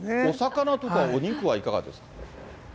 お魚とかお肉はいかがですか？